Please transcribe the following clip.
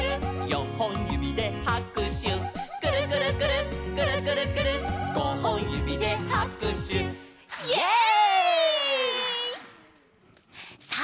「よんほんゆびではくしゅ」「くるくるくるっくるくるくるっごほんゆびではくしゅ」イエイ！